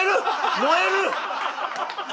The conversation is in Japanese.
燃える！